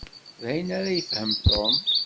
D ayen ara yefhem Tom.